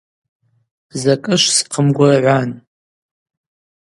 Закӏы швсхъымгвыргӏван.